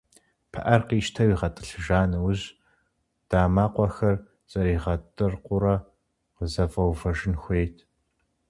ПыӀэр къищтэу игъэтӀылъыжа нэужь, дамэкъуэхэр зэригъэтӀыркъыурэ къызэфӀэувэжын хуейт.